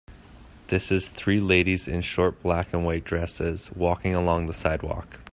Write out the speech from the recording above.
This is three ladies in short black and white dresses walking along the sidewalk.